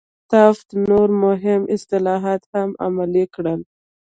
ټافت نور مهم اصلاحات هم عملي کړل.